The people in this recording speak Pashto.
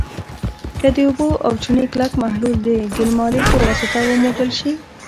که د اوبو او چونې کلک محلول د ګلمالې په واسطه ومږل شي.